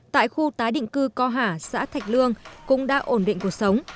tại khu tái định cư co hạ xã thạch lương cũng đã ổn định cuộc sống